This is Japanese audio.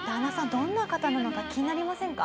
どんな方なのか気になりませんか？